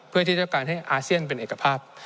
เพื่อที่จะการให้อาเซียนเป็นเอกภาพ